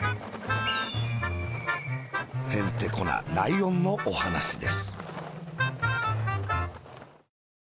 へんてこなライオンのおはなしです。